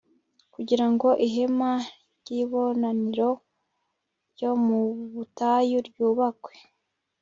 kugira ngo ihema ry'ibonaniro ryo mu butayu ryubakwe